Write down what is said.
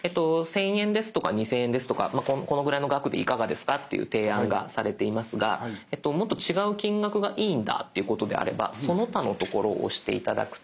１，０００円ですとか２，０００円ですとかこのぐらいの額でいかがですかっていう提案がされていますがもっと違う金額がいいんだっていうことであれば「その他」のところを押して頂くと。